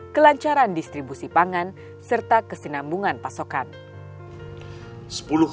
kelancaran distribusi pangan serta kesinambungan pasokan